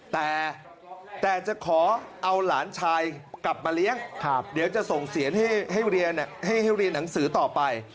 แต่จะขอเอาหลานชายกลับมาเลี้ยงเดี๋ยวจะส่งเสียนให้เรียนให้เรียนหนังสือต่อไป